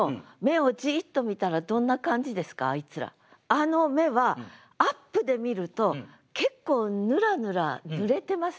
あの目はアップで見ると結構ぬらぬら濡れてません？